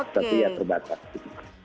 tapi ya terbatas gitu